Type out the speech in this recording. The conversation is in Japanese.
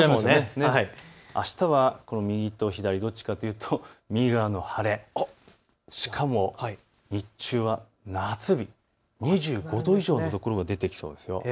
あしたは右と左どちらかというと右側の晴れ、しかも日中は夏日、２５度以上の所が出てきそうですよ。